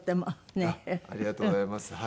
ありがとうございます。